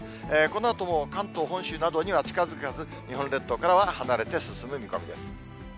このあとも関東、本州などには近づかず、日本列島からは離れて進む見込みです。